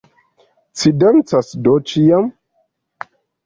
Ci dancas do ĉiam?